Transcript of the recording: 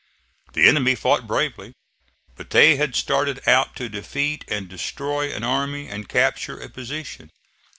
The enemy fought bravely, but they had started out to defeat and destroy an army and capture a position.